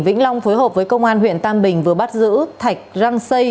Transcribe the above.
nguyễn long phối hợp với công an huyện tam bình vừa bắt giữ thạch răng xây